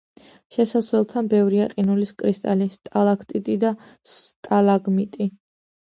შესასვლელთან ბევრია ყინულის კრისტალი, სტალაქტიტი და სტალაგმიტი.